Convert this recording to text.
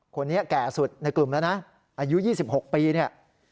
คนนี้แก่สุดในกลุ่มแล้วนะอายุ๒๖ปีเนี่ย